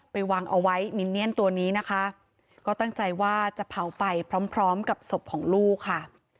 ไปวางเอาไว้มินเนียนตัวนี้นะคะก็ตั้งใจว่าจะเผาไปพร้อมพร้อมกับศพของลูกค่ะ